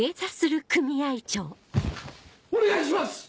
お願いします！